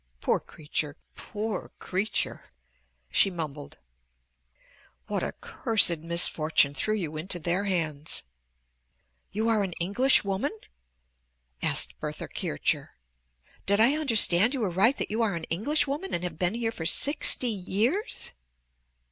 Poor creature! Poor creature!" she mumbled. "What accursed misfortune threw you into their hands?" "You are an English woman?" asked Bertha Kircher. "Did I understand you aright that you are an English woman and have been here for sixty years?"